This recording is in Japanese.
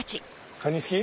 カニ好き？